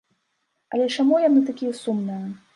Але чаму яны такія сумныя?